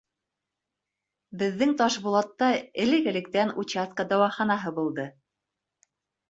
— Беҙҙең Ташбулатта элек-электән участка дауаханаһы булды.